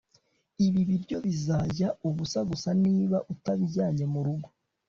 ibi biryo bizajya ubusa gusa niba utabijyanye murugo